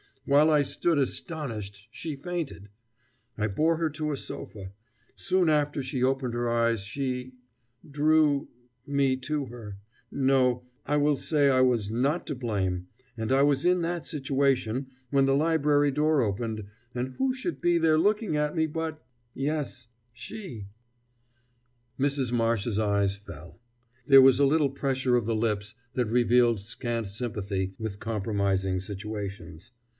While I stood astonished, she fainted. I bore her to a sofa. Soon after she opened her eyes, she drew me to her no, I will say that I was not to blame; and I was in that situation, when the library door opened, and who should be there looking at me but yes she." Mrs. Marsh's eyes fell. There was a little pressure of the lips that revealed scant sympathy with compromising situations.